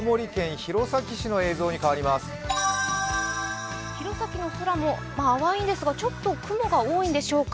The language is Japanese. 弘前の空も淡いんですが、雲が多いんでしょうか。